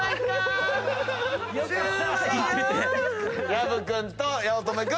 薮君と八乙女君